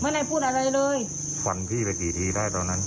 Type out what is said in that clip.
ไม่ได้พูดอะไรเลยฟันพี่ไปกี่ทีได้ตอนนั้น